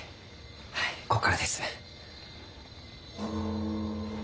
はいここからです。